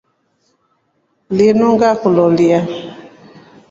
Linu ngakuloleya.